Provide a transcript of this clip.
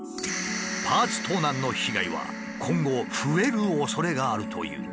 パーツ盗難の被害は今後増えるおそれがあるという。